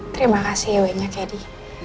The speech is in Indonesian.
terima kasih ewenya kedy